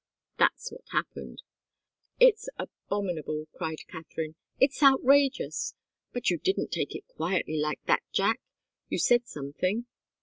That's what happened." "It's abominable!" cried Katharine. "It's outrageous! But you didn't take it quietly, like that, Jack? You said something?"